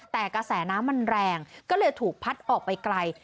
แต่กระแสน้ำมันแรงก็เลยถูกพัดออกไปไกล